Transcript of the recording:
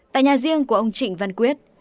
tại nhà riêng của ông trịnh văn quyết